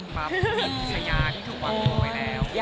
บรับสยานที่ถูกวางลงไปแล้ว